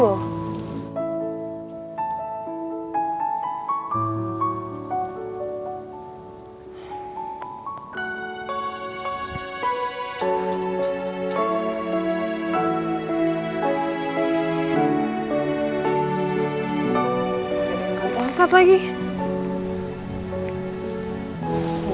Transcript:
udah dua jam